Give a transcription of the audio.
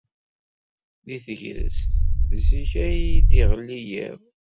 Deg tegrest, zik ay d-iɣelli yiḍ.